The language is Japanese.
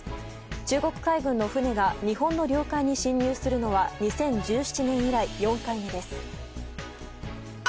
中国海軍の船が日本の領海に侵入するのは２０１７年以来４回目です。